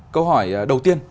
câu hỏi đầu tiên